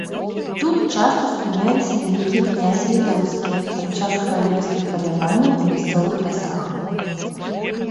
Тут часта спыняліся вялікія князі літоўскія пад час каралеўскіх паляванняў у мясцовых лясах.